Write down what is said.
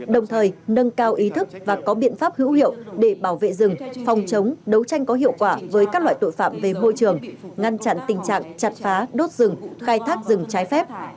đồng thời nâng cao ý thức và có biện pháp hữu hiệu để bảo vệ rừng phòng chống đấu tranh có hiệu quả với các loại tội phạm về môi trường ngăn chặn tình trạng chặt phá đốt rừng khai thác rừng trái phép